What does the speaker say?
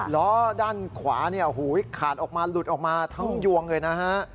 ล้อด้านขวาเนี่ยหูยขาดออกมาหลุดออกมาทั้งยวงเลยนะฮะ